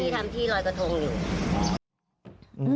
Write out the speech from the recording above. ตอนนี้ทำที่รอยกระทงอยู่